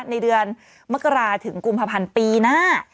ในเดือนมกราถึงกุมภาพันธ์ปีหน้า